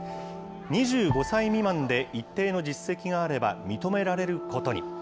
２５歳未満で、一定の実績があれば認められることに。